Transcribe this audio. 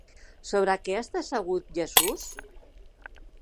Sobre què està assegut Jesús?